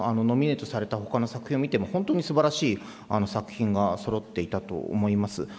ノミネートされたほかの作品を見ても、本当にすばらしい作品がそろっていたと思います。